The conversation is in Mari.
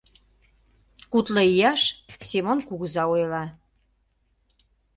Кудло ияш Семон кугыза ойла.